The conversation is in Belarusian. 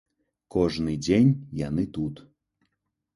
Кожны дзень яны тут.